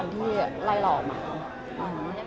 อเรนนี่มีหลังไม้ไม่มี